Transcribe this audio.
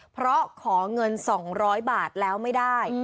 เพราะขอเงิน๒๐๐บาทแล้วไม่ได้